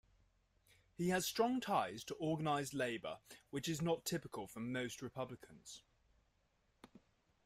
He has strong ties to organized labor, which is not typical for most Republicans.